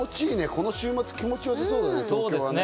この週末、東京は気持ち良さそうだね。